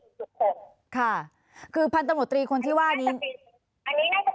อันนี้น่าจะเป็นความผู้ใหญ่มากกว่าที่กำลังว่าจะย้ายหรือไม่ย้าย